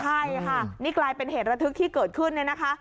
ใช่ค่ะนี่กลายเป็นเหตุระทึกที่เกิดขึ้นเนี่ยนะคะ